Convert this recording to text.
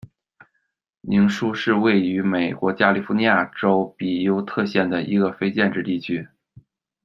宁舒是位于美国加利福尼亚州比尤特县的一个非建制地区。